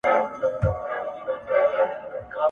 نه په ژوندون وه پر چا راغلي !.